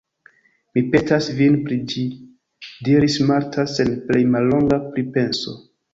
Mi petas vin pri ĝi, diris Marta sen plej mallonga pripenso.